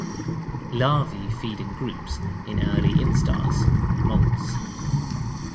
Larvae feed in groups in early instars (molts).